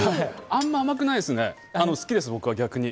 あんま甘くないですね。